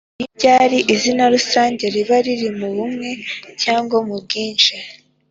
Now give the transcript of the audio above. ni ryari izina rusange riba riri mu bumwe cyangwa mu bwinshi?